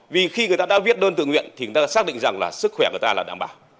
vì khi người ta đã viết đơn tự nguyện thì người ta đã xác định rằng là sức khỏe của ta là đảm bảo